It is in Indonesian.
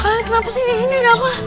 soalnya kenapa sih di sini ada apa